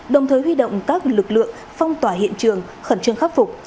đồng thời huy động các lực lượng phong tỏa hiện trường khẩn trương khắc phục